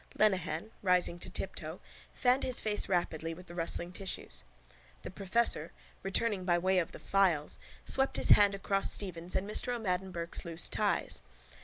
Lenehan, rising to tiptoe, fanned his face rapidly with the rustling tissues. The professor, returning by way of the files, swept his hand across Stephen's and Mr O'Madden Burke's loose ties.